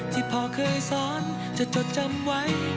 ที่พ่อเคยสอนจะจดจำไว้